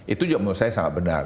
itu juga menurut saya sangat benar